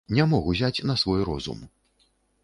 Не мог узяць на свой розум.